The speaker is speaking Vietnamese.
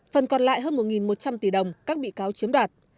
phần còn lại hơn một một trăm linh tỷ đồng các bị cáo chiếm đoạt